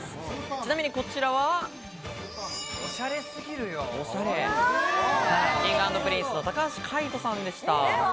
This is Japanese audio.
ちなみに、こちらはＫｉｎｇ＆Ｐｒｉｎｃｅの高橋海人さんでした。